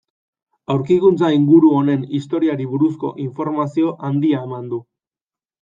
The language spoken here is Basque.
Aurkikuntzak inguru honen historiari buruzko informazio handia eman du.